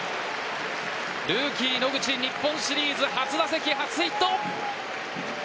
ルーキー・野口日本シリーズ初打席、初ヒット。